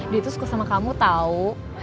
dia tuh suka sama kamu tau